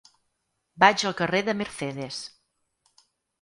Vaig al carrer de Mercedes.